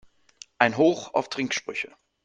Ein Hoch auf Trinksprüche!